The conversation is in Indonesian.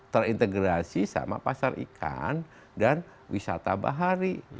terintegrasi sama pasar ikan dan wisata bahari